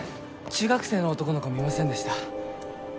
中学生の男の子見ませんでした？